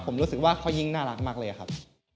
ผมรู้สึกว่าเขายิ่งน่ารักมากเลยครับ